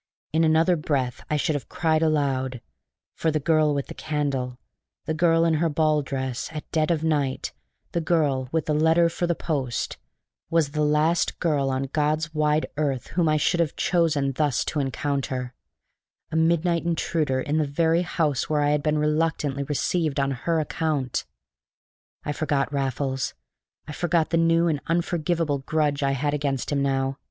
In another breath I should have cried aloud: for the girl with the candle, the girl in her ball dress, at dead of night, the girl with the letter for the post, was the last girl on God's wide earth whom I should have chosen thus to encounter a midnight intruder in the very house where I had been reluctantly received on her account! I forgot Raffles. I forgot the new and unforgivable grudge I had against him now.